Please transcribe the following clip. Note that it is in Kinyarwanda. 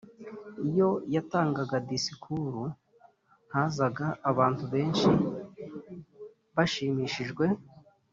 Iyo yatangaga disikuru hazaga abantu benshi bashimishijwe